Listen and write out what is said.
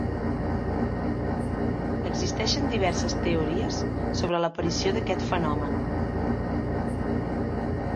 Existeixen diverses teories sobre l'aparició d'aquest fenomen.